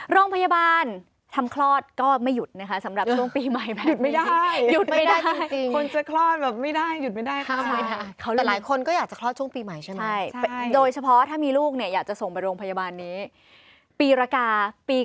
โรงพยาบาลทำคลอดก็ไม่หยุดนะคะสำหรับช่วงปีใหม่แบบนี้